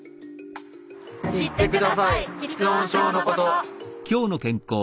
知ってください吃音症のこと。